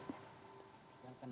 tata kelola dana pensiun